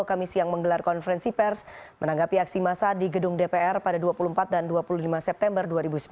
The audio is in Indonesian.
kami siang menggelar konferensi pers menanggapi aksi massa di gedung dpr pada dua puluh empat dan dua puluh lima september dua ribu sembilan belas